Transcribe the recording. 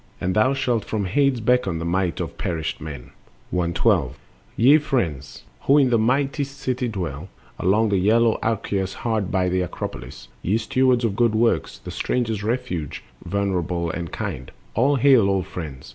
And thou shalt From Hades beckon the might of perished men. THE PURIFICATIONS The Healer and Prophet. 112. Ye friends, who in the mighty city dwell Along the yellow Acragas hard by The Acropolis, ye stewards of good works, The stranger's refuge venerable and kind, All hail, O friends!